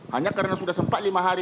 hanya karena sudah sempat lima hari